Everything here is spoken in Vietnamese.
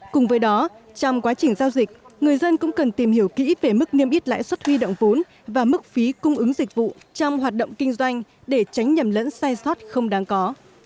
cùng với đó trong quá trình giao dịch người dân cũng cần tìm hiểu kỹ về mức niêm yết lãi suất huy động vốn và mức phí cung ứng dịch vụ trong hoạt động kinh doanh để tránh nhầm lẫn sai sót không đáng có